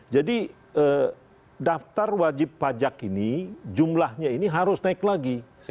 jadi daftar wajib pajak ini jumlahnya ini harus naik lagi